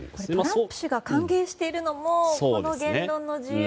トランプ氏が歓迎しているのも言論の自由